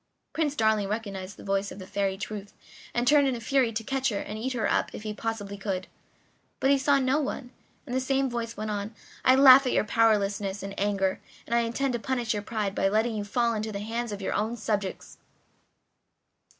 Prince Darling recognized the voice of the Fairy Truth and turned in a fury to catch her and eat her up if he possibly could; but he saw no one, and the same voice went on: "I laugh at your powerlessness and anger, and I intend to punish your pride by letting you fall into the hands of your own subjects."